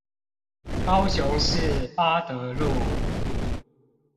高雄市八德路